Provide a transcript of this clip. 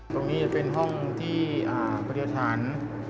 ตรงนี้จะเป็นห้องที่ปฏิสถาน